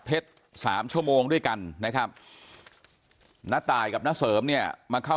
เท็จ๓ชั่วโมงด้วยกันนะครับน้าต่ายกับนักเสริมเนี่ยมาเข้า